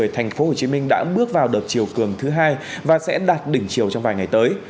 tp hcm đã bước vào đợt chiều cường thứ hai và sẽ đạt đỉnh chiều trong vài ngày tới